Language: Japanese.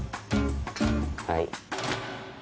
はい。